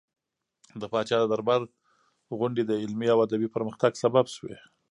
د پاچا د دربار غونډې د علمي او ادبي پرمختګ سبب شوې.